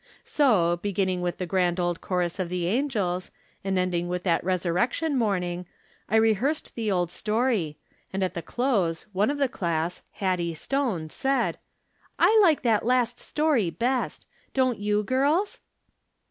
So, beginning with the grand old chorus of the angels, and end ing with that resurrection morning, I rehearsed the old story, and, at the close, one of the class, Hattie Stone, said :" I like that last stor}^ the best. Don't you, girls?"